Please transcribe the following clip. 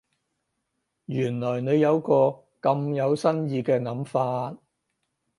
原來你有個咁有新意嘅諗法